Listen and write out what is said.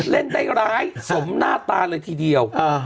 เล่นได้ร้ายสมหน้าตาเลยทีเดียว